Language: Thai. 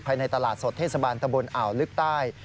ในตลาดสดเทศบาลตะบนอ่าวลึกใต้